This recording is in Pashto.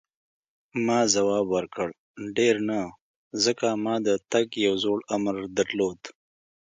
ما ځواب ورکړ: ډېر نه، ځکه ما د تګ یو زوړ امر درلود.